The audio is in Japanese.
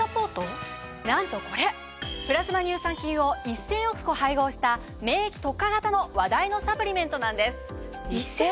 なんとこれプラズマ乳酸菌を１０００億個配合した免疫特化型の話題のサプリメントなんです。